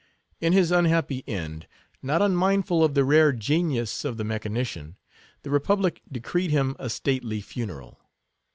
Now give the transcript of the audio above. In his unhappy end, not unmindful of the rare genius of the mechanician, the republic decreed him a stately funeral.